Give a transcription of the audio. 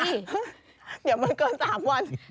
เดี๋ยวมันเกิน๓วัน